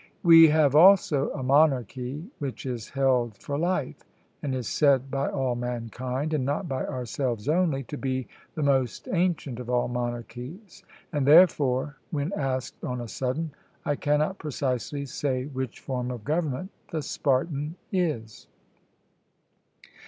We have also a monarchy which is held for life, and is said by all mankind, and not by ourselves only, to be the most ancient of all monarchies; and, therefore, when asked on a sudden, I cannot precisely say which form of government the Spartan is.